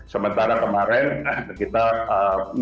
sementara kemarin kita yang wisata religi